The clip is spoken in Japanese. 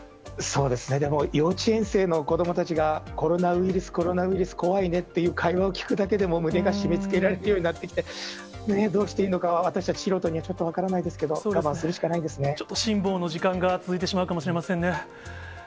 そうですね、でも、幼稚園生の子どもたちが、コロナウイルス、コロナウイルス怖いねっていう会話を聞くだけでも、胸が締めつけられるようになってきて、どうしていいのか、私たち素人にはちょっと分からないですけど、我慢するしかないですね。